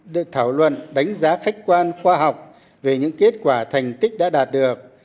được thảo luận đánh giá khách quan khoa học về những kết quả thành tích đã đạt được